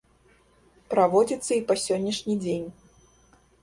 Праводзіцца і па сённяшні дзень.